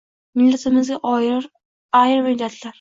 Millatimizga oid ayrim illatlar.